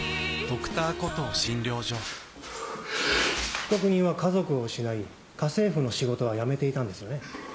被告人は家族を失い家政婦の仕事は辞めていたんですよね。